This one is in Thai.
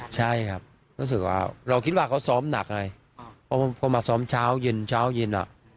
ใช่ครับรู้สึกว่าเราคิดว่าเขาซ้อมหนักไงเพราะพอมาซ้อมเช้าเย็นเช้าเย็นอ่ะ